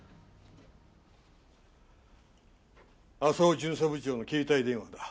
浅尾巡査部長の携帯電話だ。